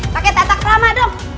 pakai tetakrama dong